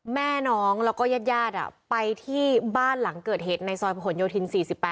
แม่น้องแล้วก็ญาติไปที่บ้านหลังเกิดเหตุในซอยประหลโยธิน๔๘